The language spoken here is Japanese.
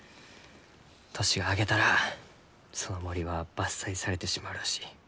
年が明けたらその森は伐採されてしまうらしい。